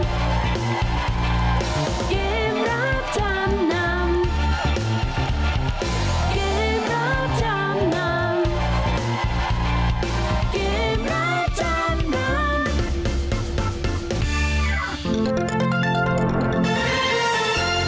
โปรดติดตามตอนต่อไป